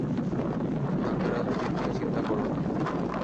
থাঙ্গারাজ, অতীত নিয়ে চিন্তা করো না।